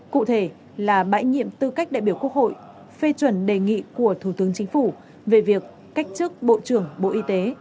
cụ thể là bãi nhiệm tư cách đại biểu quốc hội phê chuẩn đề nghị của thủ tướng chính phủ về việc cách chức bộ trưởng bộ y tế